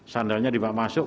sandalnya dibawa masuk